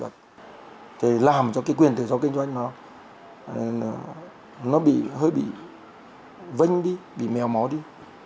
thì làm cho cái quyền tự do kinh doanh nó hơi bị vânh đi bị mèo mó đi